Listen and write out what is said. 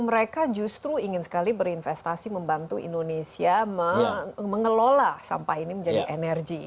mereka justru ingin sekali berinvestasi membantu indonesia mengelola sampah ini menjadi energi